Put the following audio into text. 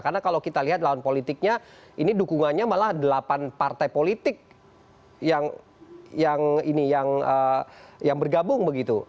karena kalau kita lihat lawan politiknya ini dukungannya malah delapan partai politik yang bergabung begitu